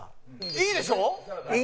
いいでしょ？